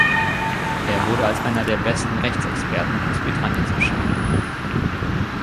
Er wurde als einer der besten Rechtsexperten Großbritanniens beschrieben.